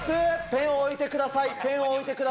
ペンを置いてください。